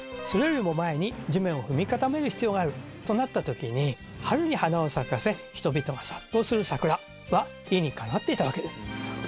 それよりも前に地面を踏み固める必要があるとなった時に春に花を咲かせ人々が殺到する桜は理にかなっていたわけです。